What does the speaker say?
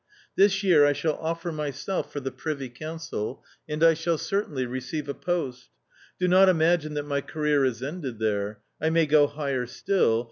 This year I shall offer myself for the privy council, and I shall certainly receive a post Do not imagine that my career is ended there ; I may go higher still